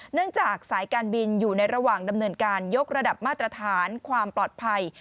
เนื่องจากสายการบินอยู่ในระหว่างดำเนินการยกระดับมาตรฐานความปลอดภัย